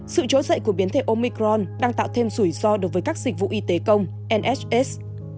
sự trốn dậy của biến thể omicron đang tạo thêm sủi ro đối với các dịch vụ y tế công nhs